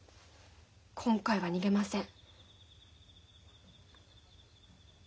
今回は逃げません。